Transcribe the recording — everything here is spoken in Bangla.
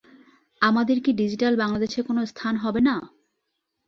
আমাদের কি ডিজিটাল বাংলাদেশে কোনো স্থান হবে না?